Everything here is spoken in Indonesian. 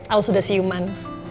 al sudah siuman